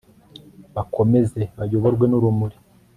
bakomeze, bayoborwe n'urumuri